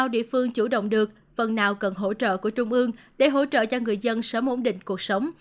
địa phương chủ động được phần nào cần hỗ trợ của trung ương để hỗ trợ cho người dân sớm ổn định cuộc sống